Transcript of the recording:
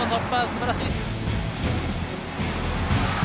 すばらしい。